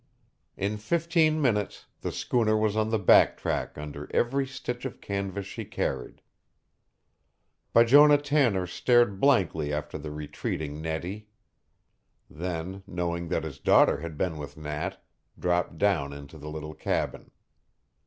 In fifteen minutes the schooner was on the back track under every stitch of canvas she carried. Bijonah Tanner stared blankly after the retreating Nettie. Then, knowing that his daughter had been with Nat, dropped down into the little cabin.